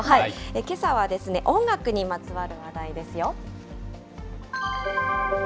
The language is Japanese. けさは音楽にまつわる話題ですよ。